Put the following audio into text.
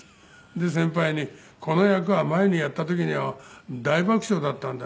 で先輩に「この役は前にやった時には大爆笑だったんだ。